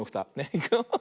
いくよ。